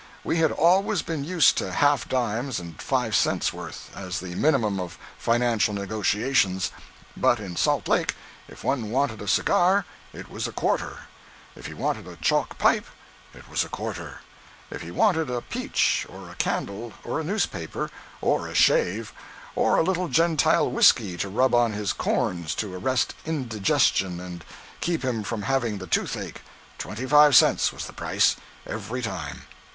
We had always been used to half dimes and "five cents' worth" as the minimum of financial negotiations; but in Salt Lake if one wanted a cigar, it was a quarter; if he wanted a chalk pipe, it was a quarter; if he wanted a peach, or a candle, or a newspaper, or a shave, or a little Gentile whiskey to rub on his corns to arrest indigestion and keep him from having the toothache, twenty five cents was the price, every time.